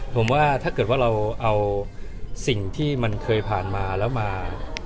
ผมว่าถ้าเกิดว่าเราเอาสิ่งที่มันเคยผ่านมาแล้วมา